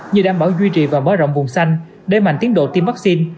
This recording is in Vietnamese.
như đảm bảo duy trì và mở rộng vùng xanh đẩy mạnh tiến độ tiêm vaccine